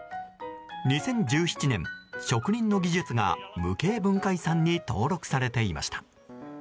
２０１７年、職人の技術が無形文化遺産に登録されていました。